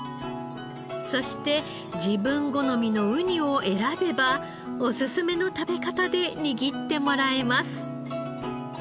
そして自分好みのウニを選べばおすすめの食べ方で握ってもらえます。